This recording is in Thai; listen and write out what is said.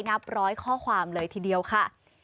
นับร้อยข้อความเลยทีเดียวค่ะ